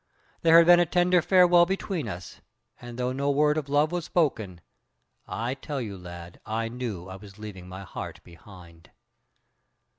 There had been a tender farewell between us, and though no word of love was spoken, I tell you, lad, I knew I was leaving my heart behind.